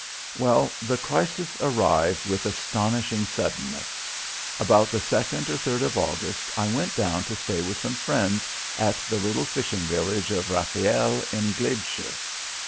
Well, the crisis arrived with astonishing suddenness. About the second or third of August I went down to stay with some friends at the little fishing village of Rafiel in Glebeshire.